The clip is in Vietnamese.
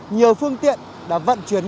nhiều phương tiện đã vận chuyển